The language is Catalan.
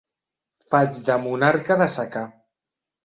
Faig de monarca de secà.